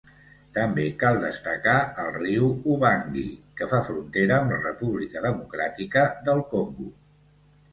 També cal destacar el riu Ubangui, que fa frontera amb la República Democràtica del Congo.